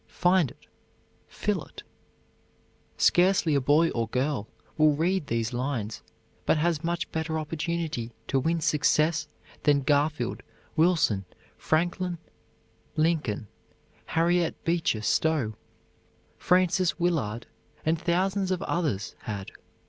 Find it, fill it. Scarcely a boy or girl will read these lines but has much better opportunity to win success than Garfield, Wilson, Franklin, Lincoln, Harriet Beecher Stowe, Frances Willard, and thousands of others had.